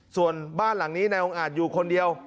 ส่วนบ้านหลังนี้นายองค์อาจอยู่คนเดียว